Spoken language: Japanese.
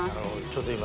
ちょっと今。